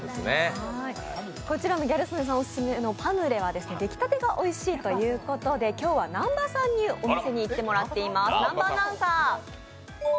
こちらのギャル曽根さんオススメのパヌレは出来たてがおいしいということで今日は南波さんにお店に行ってもらっています。